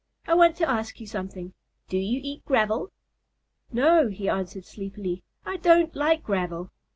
"I want to ask you something. Do you eat gravel?" "No," he answered sleepily, "I don't like gravel."